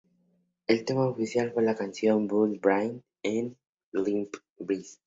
El tema oficial fue la canción "Build a Bridge" de Limp Bizkit.